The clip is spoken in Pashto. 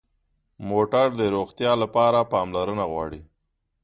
موټر د روغتیا لپاره پاملرنه غواړي.